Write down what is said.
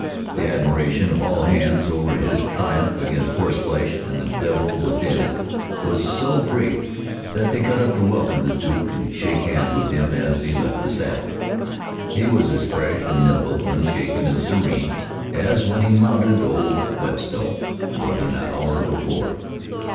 The admiration of all hands over this triumph against horseflesh and the devil within it was so great that they got up to welcome the Duke, and shake hands with him as he left the saddle. He was as fresh and nimble, unshaken and serene, as when he mounted old Whetstone more than an hour before.